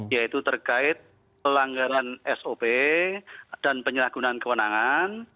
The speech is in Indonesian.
yaitu terkait pelanggaran sop dan penyalahgunaan kewenangan